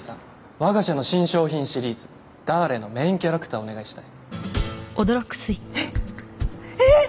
我が社の新商品シリーズダーレのメインキャラクターをお願いしたいえっえっ？